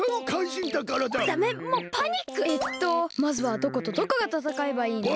まずはどことどこがたたかえばいいの？